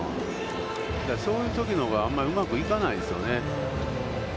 そういうときのほうが、あんまりうまくいかないですよね。